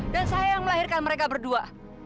dan saya yang melahirkan mereka berdua